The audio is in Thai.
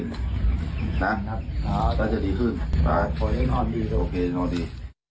ที